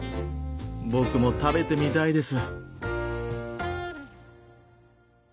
僕も食べてみたいです。